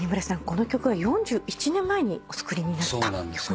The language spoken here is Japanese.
この曲は４１年前にお作りになった曲。